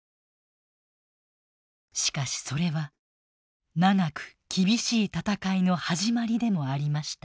しかしそれは長く厳しい戦いの始まりでもありました。